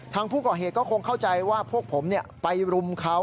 ทางผู้ก่อเหตุก็คงเข้าใจว่าพวกผมไปรุมเขา